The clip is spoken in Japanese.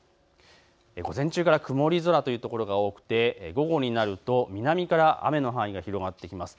午前中から曇り空というところが多くて午後になると南から雨の範囲が広がってきます。